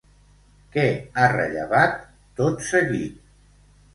Què ha rellevat, tot seguit?